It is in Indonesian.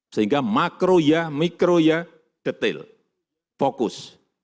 sehingga makro ya mikro ya detail fokus